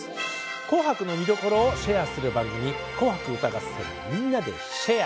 「紅白」の見どころをシェアする番組「紅白歌合戦＃みんなでシェア！」。